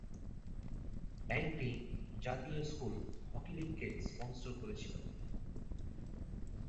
ব্যাংকটি জাতীয় school hockey লীগকে স্পন্সর করেছিল।